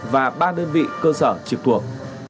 và ba đơn vị cơ sở trực thuộc